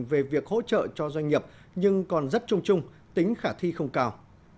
về việc hỗ trợ cho doanh nghiệp nhưng còn rất trung trung tính khả thi không cao